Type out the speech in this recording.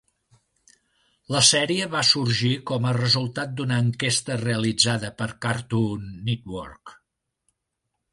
La sèrie va sorgir com a resultat d'una enquesta realitzada per Cartoon Network.